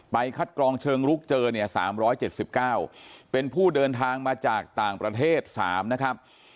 คัดกรองเชิงลุกเจอเนี่ย๓๗๙เป็นผู้เดินทางมาจากต่างประเทศ๓นะครับ